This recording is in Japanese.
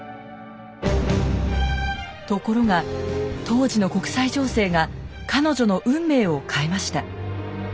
ところが当時の国際情勢が彼女の運命を変えました。